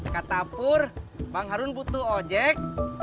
kata pur bang harun butuh ojek